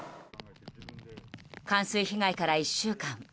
冠水被害から１週間。